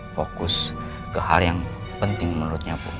fokus ke hal yang penting menurutnya